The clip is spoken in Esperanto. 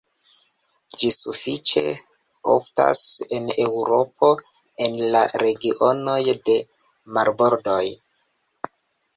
Ĝi sufiĉe oftas en Eŭropo en la regionoj de marbordoj.